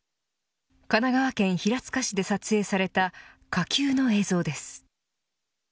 神奈川県平塚市で撮影された火球の映像です。